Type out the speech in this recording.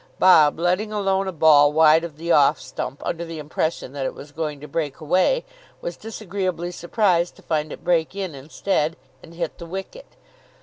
Bob, letting alone a ball wide of the off stump under the impression that it was going to break away, was disagreeably surprised to find it break in instead, and hit the wicket.